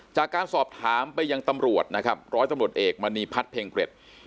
จากการสอบถามไปยังตำรวจนะครับร้อยตำรวจเอกมณีพัฒน์เพลงเกร็ด